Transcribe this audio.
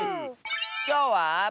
きょうは。